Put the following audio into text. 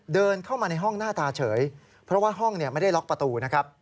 เดินเข้ามาในห้องหน้าตาเฉยเพราะว่าห้องไม่ได้ล็อกประตูนะครับ